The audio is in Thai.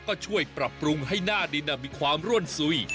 ก็ช่วยปรับปรุงให้หน้าดินมีความร่วนสุย